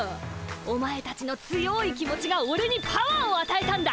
お前たちの強い気持ちがオレにパワーをあたえたんだ。